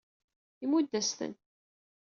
Imudd-as-ten.